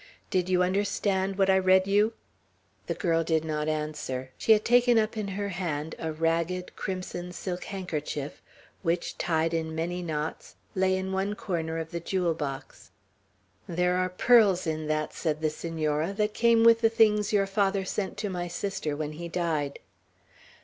"Did you understand what I read you?" The girl did not answer. She had taken up in her hand a ragged, crimson silk handkerchief, which, tied in many knots, lay in one corner of the jewel box. "There are pearls in that," said the Senora; "that came with the things your father sent to my sister when he died."